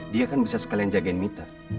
dia kan bisa sekalian jagain mita